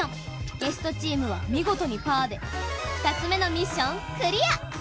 ゲストチームは見事にパーで２つめのミッションクリア！